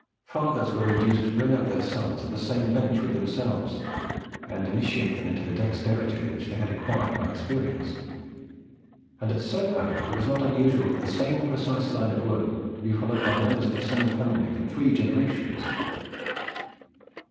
Fathers were induced to bring up their sons at the same bench with themselves, and initiate them in the dexterity which they had acquired by experience; and at Soho it was not unusual for the same precise line of work to be followed by members of the same family for three generations.